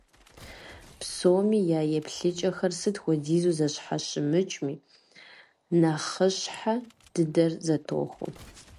Псоми я еплъыкӀэхэр, сыт хуэдизу зэщхьэщымыкӀми, нэхъыщхьэ дыдэр зэтохуэ.